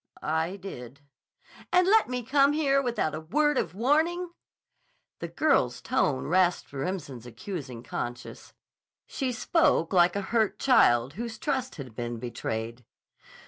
"I did." "And let me come here without a word of warning?" The girl's tone rasped Remsen's accusing conscience. She spoke like a hurt child whose trust has been betrayed.